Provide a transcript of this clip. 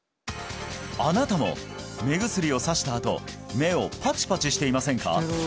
あなたも目薬をさしたあと目をパチパチしていませんか？